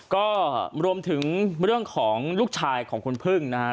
ก็รวมถึงเรื่องของลูกชายของคุณพึ่งนะฮะ